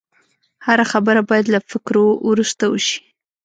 هره خبره باید له فکرو وروسته وشي